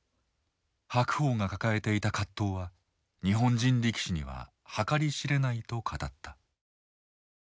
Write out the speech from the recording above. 白鵬が抱えていた葛藤は日本人力士には計り知れないと語った。